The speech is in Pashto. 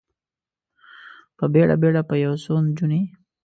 په بیړه، بیړه به یو څو نجونې،